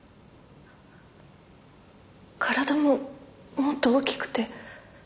体ももっと大きくて。